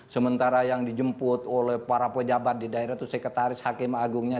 sementara yang dijemput oleh para pejabat di daerah itu sekretaris hakim agungnya